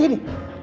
diam sampai sini